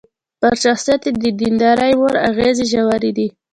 پر شخصيت يې د ديندارې مور اغېزې ژورې دي.